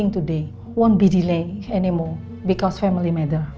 nggak akan terlambat lagi karena masalah keluarga